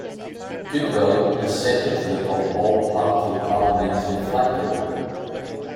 Goodwill is secretary of the All Party Parliamentary Flag Group.